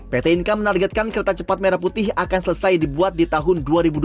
pt inka menargetkan kereta cepat merah putih akan selesai dibuat di tahun dua ribu dua puluh tiga